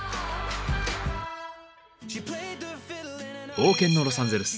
冒険のロサンゼルス。